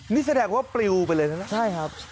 นี่แสดงว่าปลิวไปเลยใช่ไหมใช่ครับ